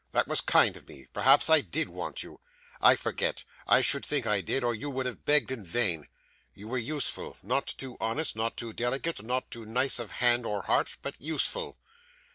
'That was kind of me. Perhaps I did want you. I forget. I should think I did, or you would have begged in vain. You were useful; not too honest, not too delicate, not too nice of hand or heart; but useful.